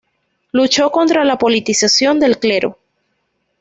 Luchó contra la politización del clero.